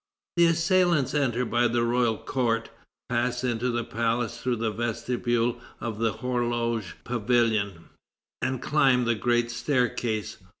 The assailants enter by the Royal Court, pass into the palace through the vestibule of the Horloge Pavilion, and climb the great staircase.